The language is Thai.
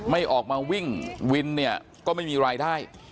ไม่ออกมาวิ่งวินเนี่ยก็ไม่มีรายได้